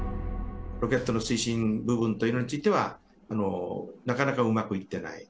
ロケットの推進部分というのについては、なかなかうまくいってない。